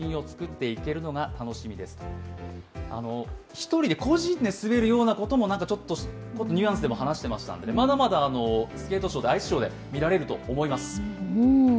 １人、個人で滑るようなニュアンスでも話してましたのでまだまだ、アイスショーで見られると思います。